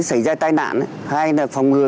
xảy ra tai nạn hay là phòng ngừa